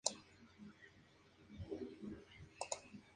Los Guardias sostuvieron doce bajas.